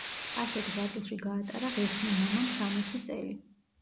ასეთ ღვაწლში გაატარა ღირსმა მამამ სამოცი წელი.